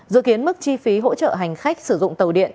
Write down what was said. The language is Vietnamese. dự kiến mức chi phí hỗ trợ hành khách sử dụng tàu điện